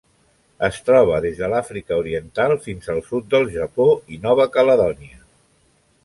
Es troba des de l'Àfrica Oriental fins al sud del Japó i Nova Caledònia.